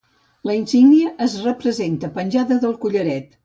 La insígnia es representa penjada del collaret.